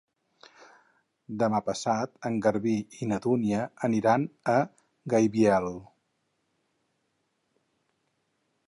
Demà passat en Garbí i na Dúnia aniran a Gaibiel.